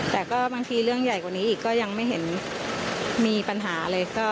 แต่ก็บางทีเรื่องใหญ่กว่านี้อีกก็ยังไม่เห็นมีปัญหาเลย